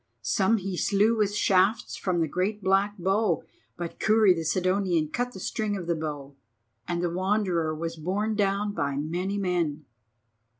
Some he slew with shafts from the great black bow, but Kurri the Sidonian cut the string of the bow, and the Wanderer was borne down by many men.